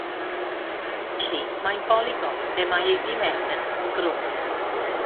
Felly, mae'n bolygon lle mae ei du mewn yn amgrwm.